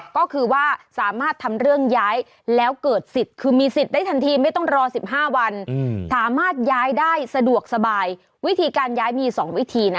ก็คือว่าสามารถทำเรื่องย้ายแล้วเกิดสิทธิ์คือมีสิทธิ์ได้ทันทีไม่ต้องรอ๑๕วันสามารถย้ายได้สะดวกสบายวิธีการย้ายมี๒วิธีนะ